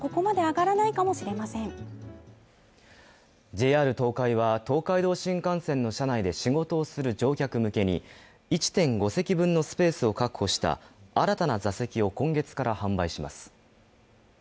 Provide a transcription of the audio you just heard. ＪＲ東海は東海道新幹線の車内で仕事をする乗客向けに１．５席分のスペースを確保した新たな座席を今月から販売します。